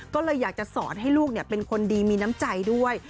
ก็เลยอยากจะสอนให้ลูกเป็นคนดีมีน้ำใจด้วย